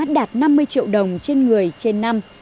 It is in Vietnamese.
đạt năm mươi triệu đồng trên người trên năm